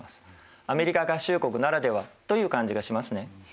アメリカ合衆国ならではという感じがしますね。